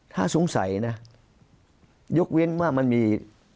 ถ้าสงสัยนะยกเว้นว่ามันมี